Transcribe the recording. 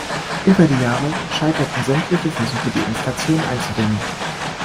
Über die Jahre scheiterten sämtliche Versuche die Inflation einzudämmen.